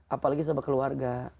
apalagi sama keluarga